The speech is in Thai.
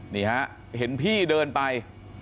นี่ฮะเห็นพี่เดินไป